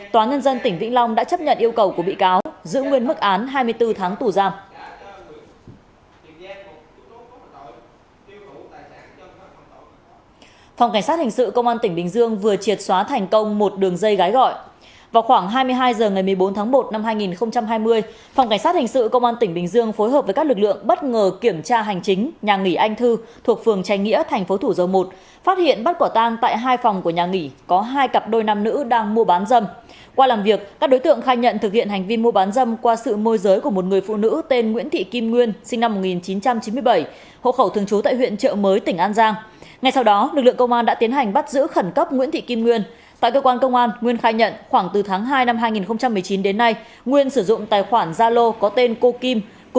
tòa nhân dân tỉnh vĩnh long đã chấp nhận yêu cầu của bị cáo giữ nguyên mức án hai mươi bốn tháng tù giam